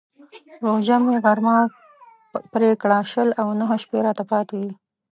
روژه مې غرم پر کړه شل او نهه شپې راته پاتې.